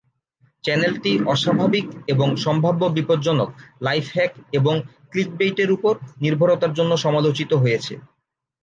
চ্যানেলটি অস্বাভাবিক এবং সম্ভাব্য বিপজ্জনক "লাইফ-হ্যাক" এবং "ক্লিকবেইট"-এর উপর নির্ভরতার জন্য সমালোচিত হয়েছে।